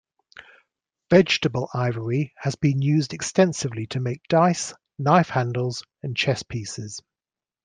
Vegetable ivory has been used extensively to make dice, knife handles, and chess pieces.